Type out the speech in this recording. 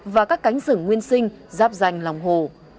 và các cánh rừng nguyên sinh giáp danh lòng hồ